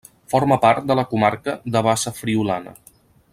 Forma part de la comarca de Bassa Friülana.